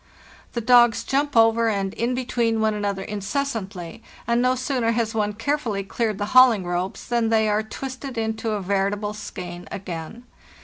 The dogs jump over and in between one another incessantly, and no sooner has one carefully cleared the hauling ropes than they are twisted into a veritable skein again.